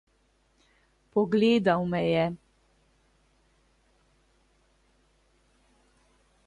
Pogledal me je.